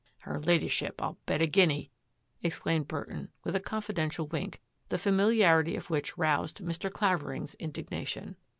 " Her Ladyship, I'll bet a guinea !" exclaimed Burton with a confidential wink, the familiarity of which roused Mr. Clavering's indignation.